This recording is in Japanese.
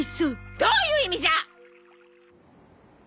どういう意味じゃ！